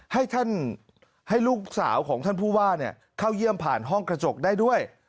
ให้ลูกสาวของท่านผู้ว่าเข้าเยี่ยมผ่านห้องกระจกได้ด้วย